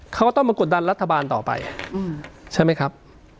เขาก็ต้องมากดดันรัฐบาลต่อไปใช่ไหมครับ